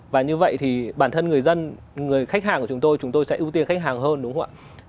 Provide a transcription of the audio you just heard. và như vậy thì bản thân người dân người khách hàng của chúng tôi chúng tôi sẽ ưu tiên khách hàng hơn đúng không ạ